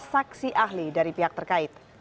saksi ahli dari pihak terkait